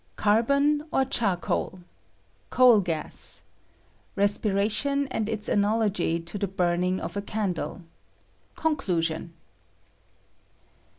CABBON" OR CHARCOAL. — COAL GAS. — EESPffiA TION AND ira ANALOGY TO THE BUENINQ OF A CANDLE. — CONCLUSION.